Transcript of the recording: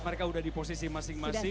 mereka udah di posisi masing masing